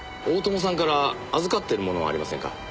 大友さんから預かっているものはありませんか？